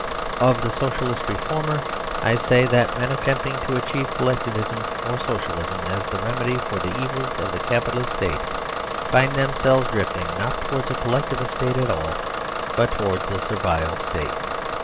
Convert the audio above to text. (i) Of the Socialist Reformer : I say that men attempting to achieve Collectivism or Socialism as the remedy for the evils of the Capi talist State find themselves drifting not towards a Collectivist State at all, but towards a Servile State.